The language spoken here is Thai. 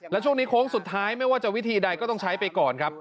และช่วงนี้โค้งสุดท้ายไม่ว่าจะวิธีใดก็ต้องใช้ไปก่อนครับ